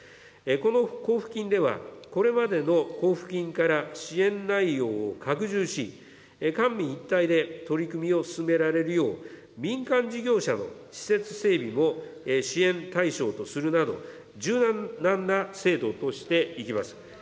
この交付金では、これまでの交付金から支援内容を拡充し、官民一体で取り組みを進められるよう、民間事業者の施設整備も支援対象とするなど、柔軟な制度としていきます。